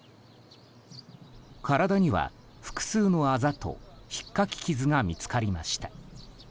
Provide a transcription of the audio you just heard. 体には複数のあざとひっかき傷が見つかりました。